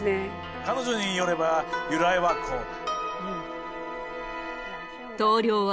彼女によれば由来はこうだ。